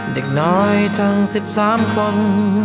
เด็กน้อยทั้ง๑๓คน